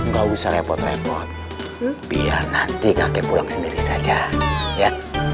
nggak usah repot repot biar nanti kakek pulang sendiri saja ya